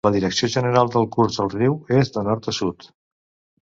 La direcció general del curs del riu és de nord a sud.